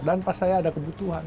dan pas saya ada kebutuhan